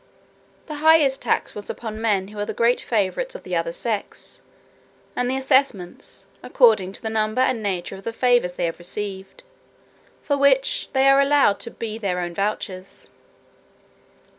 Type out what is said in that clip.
The highest tax was upon men who are the greatest favourites of the other sex, and the assessments, according to the number and nature of the favours they have received; for which, they are allowed to be their own vouchers.